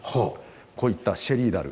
こういったシェリー樽。